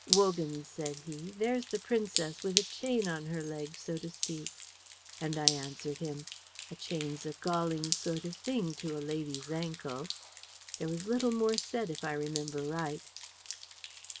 'Wogan,' said he, 'there's the Princess with a chain on her leg, so to speak,' and I answered him, 'A chain's a galling sort of thing to a lady's ankle.' There was little more said if I remember right."